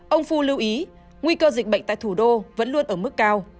ông phu lưu ý nguy cơ dịch bệnh tại thủ đô vẫn luôn ở mức cao